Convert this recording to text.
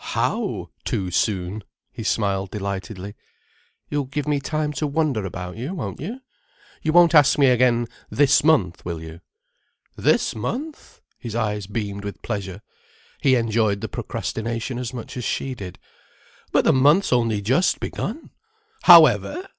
"How, too soon—?" He smiled delightedly. "You'll give me time to wonder about you, won't you? You won't ask me again this month, will you?" "This month?" His eyes beamed with pleasure. He enjoyed the procrastination as much as she did. "But the month's only just begun! However!